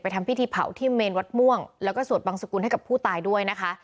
ทำพิธีเผาที่เมนวัดม่วงแล้วก็สวดบังสกุลให้กับผู้ตายด้วยนะคะ